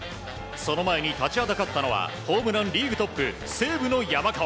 その前に立ちはだかったのはホームランリーグトップ西武の山川。